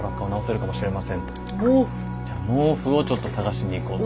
じゃあ毛布をちょっと探しに行こうと。